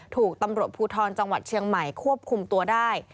ถูกตำรวจภูทรจังหวัดเชียงใหม่ควบคุมตัวได้